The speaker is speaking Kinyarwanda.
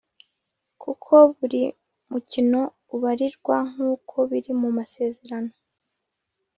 kuko buri mukino ubarirwa nk’uko biri mu masezerano.